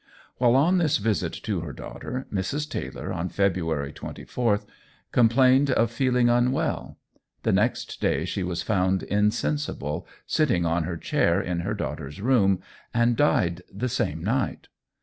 While on this visit to her daughter, Mrs. Taylor, on February 24, complained of feeling unwell. The next day she was found insensible, sitting on her chair in her daughter's room, and died the same night.